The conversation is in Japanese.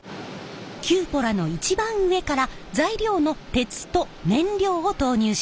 キューポラの一番上から材料の鉄と燃料を投入します。